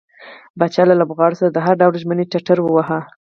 پاچا له لوبغاړو سره د هر ډول ژمنې ټټر واوهه.